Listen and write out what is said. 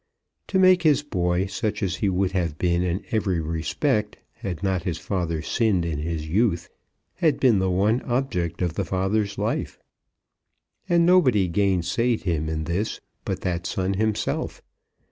To make his boy such as he would have been in every respect had not his father sinned in his youth, had been the one object of the father's life. And nobody gainsayed him in this but that son himself.